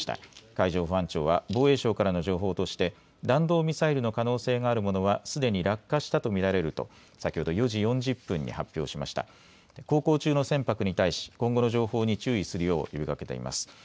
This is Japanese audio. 海上保安庁は防衛省からの情報として弾道ミサイルの可能性があるものはすでに落下したと見られると先ほど４時４０分に発表しました航行中の船舶に対し今後の情報に注意するよう呼びかけています。